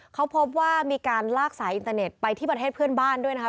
เขาพบว่ามีการลากสายอินเตอร์เน็ตไปที่ประเทศเพื่อนบ้านด้วยนะครับ